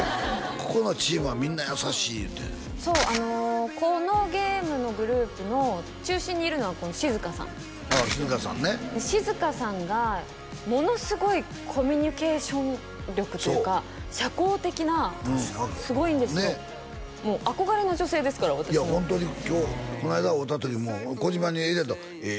ここのチームはみんな優しい言うてそうこのゲームのグループの中心にいるのはこの志津香さんああ志津香さんねで志津香さんがものすごいコミュニケーション力というか社交的なすごいんですよもう憧れの女性ですから私のホントにこの間会うた時も児嶋に言うたけどええ